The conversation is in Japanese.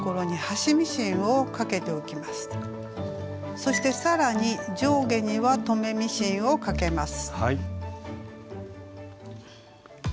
そしてさらに上下には留めミシンをかけます。